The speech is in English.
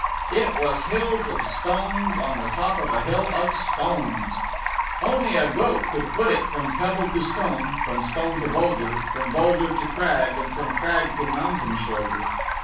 It was hills of stones on the top of a hill of stones. Only a goat could foot it from pebble to stone, from stone to boulder, from boulder Ko crag, and from crag to mountain shoulder.